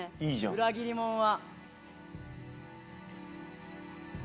裏切り者は。